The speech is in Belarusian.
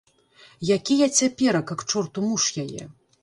Які я цяперака, к чорту, муж яе?